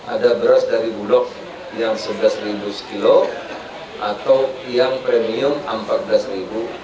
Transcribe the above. ada beras dari bulog yang rp sebelas kilo atau yang premium rp empat belas